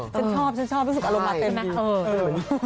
ฉันชอบฉันชอบรู้สึกอารมณ์มาเต้นไหม